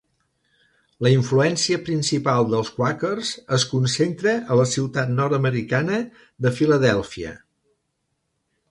La influència principal dels quàquers es concentra a la ciutat nord-americana de Filadèlfia.